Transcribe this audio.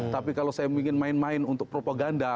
tapi kalau saya ingin main main untuk propaganda